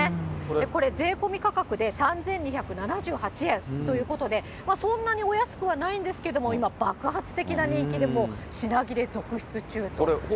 これ、税込み価格で３２７８円ということで、そんなにお安くはないんですけども、今、爆発的な人気でもう、品切れ続出中ということです。